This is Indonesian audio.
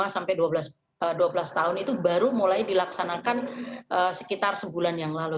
lima sampai dua belas tahun itu baru mulai dilaksanakan sekitar sebulan yang lalu